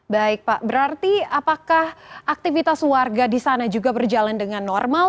baik pak berarti apakah aktivitas warga di sana juga berjalan dengan normal